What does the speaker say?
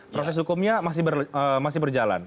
proses hukumnya masih berjalan